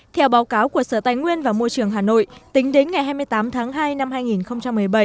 theo báo cáo của sở tài nguyên và môi trường hà nội tính đến ngày hai mươi tám tháng hai năm hai nghìn một mươi bảy